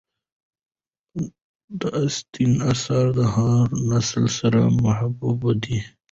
د اسټن آثار د هر نسل سره محبوب دي.